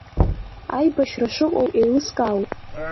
Аибашьра шыҟоу еилыскаауеит.